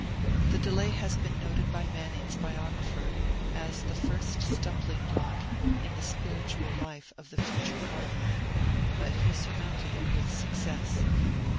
The delay has been noted by Manning's biographer as the first stumbling block in the spiritual life of the future Cardinal; but he surmounted it with success.